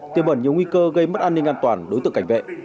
tiêu bẩn nhiều nguy cơ gây mất an ninh an toàn đối tượng cảnh vệ